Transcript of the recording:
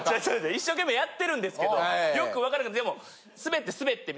一生懸命やってるんですけどよく分からないでも。